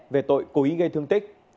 về tội cố ý gây thương tích